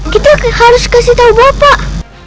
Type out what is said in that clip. kita harus kasih tahu bapak